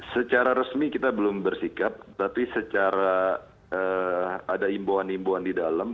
secara resmi kita belum bersikap tapi secara ada imbauan himbuan di dalam